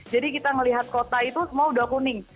jadi kita melihat kota itu semua udah kuning